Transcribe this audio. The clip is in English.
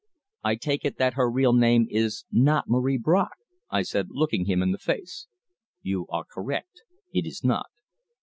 "I take it that her real name is not Marie Bracq?" I said, looking him in the face. "You are correct. It is not."